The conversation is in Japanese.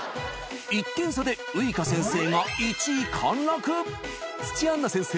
１点差でウイカ先生が１位陥落土屋アンナ先生